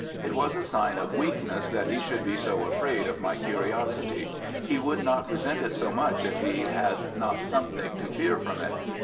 It was a sign of weakness that he should be so afraid of my curiosity. He would not resent it so much if he had not something to fear from it.